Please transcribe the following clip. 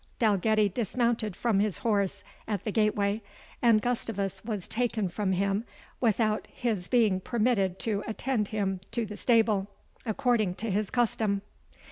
Dalgetty dismounted from his horse at the gateway, and Gustavus was taken from him without his being permitted to attend him to the stable, according to his custom.